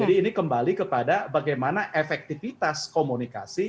jadi ini kembali kepada bagaimana efektivitas komunikasi